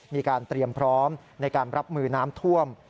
มีการเตรียมพร้อมในการรับมือน้ำท่วม